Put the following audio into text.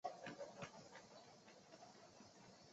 特诺奇蒂特兰失守的原因有多种。